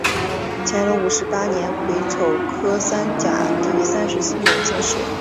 乾隆五十八年癸丑科三甲第三十四名进士。